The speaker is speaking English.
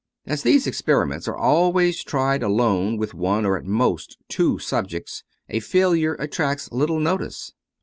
As these experiments are always tried alone with one or, at most, two subjects, a failure attracts little notice.